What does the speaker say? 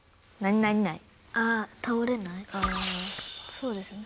そうですよね？